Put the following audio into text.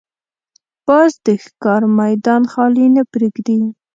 باز د ښکار میدان خالي نه پرېږدي